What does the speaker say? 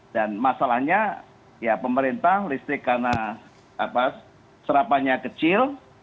dan masalahnya ya pemerintah listrik karena serapahnya kecil